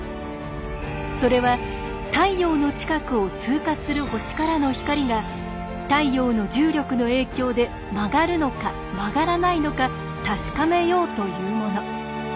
それは太陽の近くを通過する星からの光が太陽の重力の影響で曲がるのか曲がらないのか確かめようというもの。